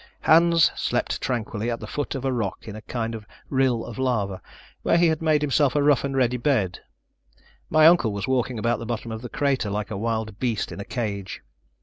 Hans slept tranquilly at the foot of a rock in a kind of rill of lava, where he had made himself a rough and ready bed. MY uncle was walking about the bottom of the crater like a wild beast in a cage.